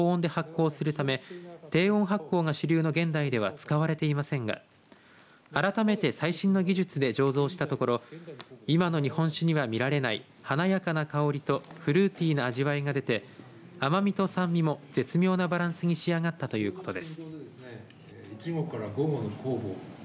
醸造試験場によりますと１００年前の酵母を高温で発酵するため低温発酵が主流の現在では使われていませんが改めて最新の技術で醸造したところ今の日本酒には見られない華やかな香りとフルーティーな味わいが出て甘みと酸味も絶妙なバランスに仕上がったということです。